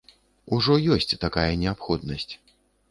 Ужо ёсць такая неабходнасць.